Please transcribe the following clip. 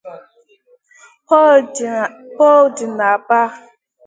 Paul' dị n'Abba